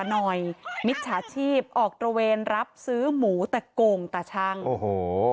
ออกกันหน่อยมิตรชาชีพออกตระเวนรับซื้อหมูแต่โก่งตะชั่งโอ้โห